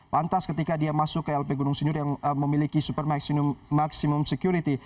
lantas ketika dia masuk ke lp gunung sindur yang memiliki super maksimum security